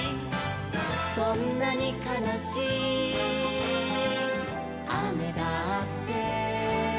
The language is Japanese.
「どんなにかなしいあめだって」